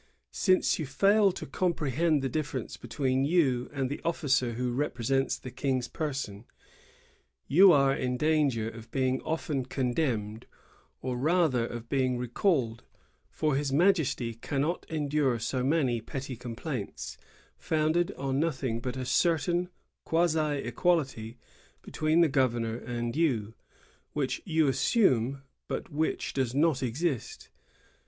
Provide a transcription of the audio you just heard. "Since you failed to comprehend the difference between you and the officer who represents the King's person, you are in danger of being often condemned, or rather of being recalled; for his Majesty cannot endure so many petty complaints, founded on nothing but a certain quasi equality between the governor and you, which you assume, but which does not exist."